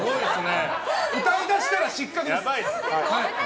歌い出したら失格です。